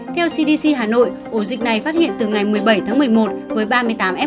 theo cdc hà nội ổ dịch này phát hiện từ ngày một mươi bảy tháng một mươi một với ba mươi tám f một